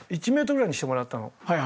１ｍぐらいにしてもらったの。